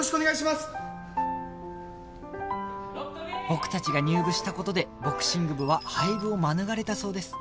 僕たちが入部した事でボクシング部は廃部を免れたそうです